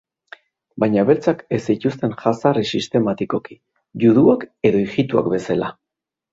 Baina beltzak ez zituzten jazarri sistematikoki, juduak edo ijitoak bezala.